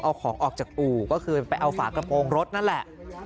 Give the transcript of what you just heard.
เอาของออกจากอู่ก็คือไปเอาฝากระโปรงรถนั่นแหละ